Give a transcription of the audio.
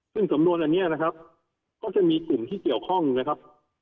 ซึ่งสำนวนอันนี้นะครับก็จะมีกลุ่มที่เกี่ยวข้องนะครับ